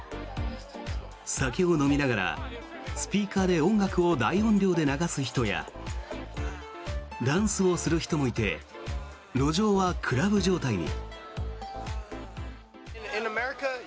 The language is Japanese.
酒を飲みながら、スピーカーで音楽を大音量で流す人やダンスをする人もいて路上はクラブ状態に。